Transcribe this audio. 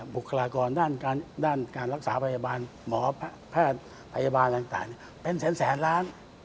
บุคลากรด้านการรักษาพยาบาลหมอแพทย์พยาบาลต่างเป็นแสนล้าน